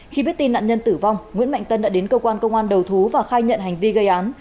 khi biết tin nạn nhân tử vong nguyễn mạnh tân đã đến cơ quan công an đầu thú và khai nhận hành vi gây án